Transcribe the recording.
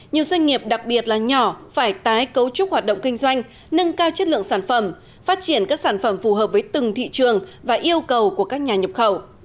nhiều doanh nghiệp đặc biệt là nhỏ phải tái cấu trúc hoạt động kinh doanh nâng cao chất lượng sản phẩm phát triển các sản phẩm phù hợp với từng thị trường và yêu cầu của các nhà nhập khẩu